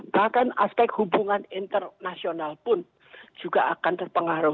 bahkan aspek hubungan internasional pun juga akan terpengaruh